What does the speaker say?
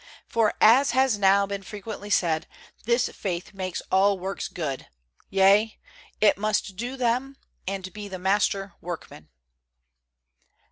For, as has now been frequently said, this faith makes all works good, yea, it must do them and be the master workman.